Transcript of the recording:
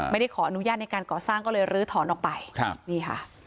ไม่ได้ขออนุญาตในการก่อสร้างก็เลยลื้อถอนออกไปครับนี่ค่ะ